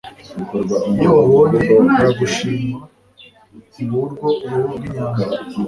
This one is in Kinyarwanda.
Iyo wahoye baragushima ngurwo urubu rw'inyambo.